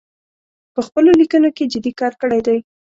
په خپلو لیکنو کې جدي کار کړی دی